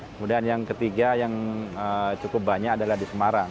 kemudian yang ketiga yang cukup banyak adalah di semarang